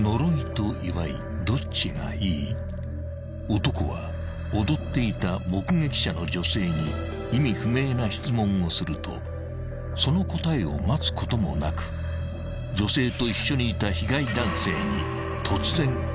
［男は踊っていた目撃者の女性に意味不明な質問をするとその答えを待つこともなく女性と一緒にいた被害男性に突然牙を向けた］